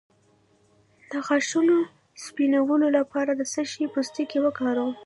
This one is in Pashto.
د غاښونو سپینولو لپاره د څه شي پوستکی وکاروم؟